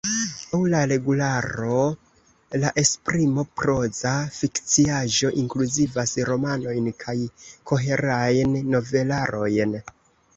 Laŭ la regularo, la esprimo proza fikciaĵo inkluzivas romanojn kaj koherajn novelarojn.